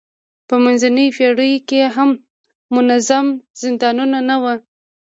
په منځنیو پېړیو کې هم منظم زندانونه نه وو.